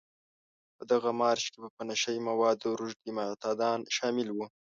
په دغه مارش کې په نشه يي موادو روږدي معتادان شامل وو.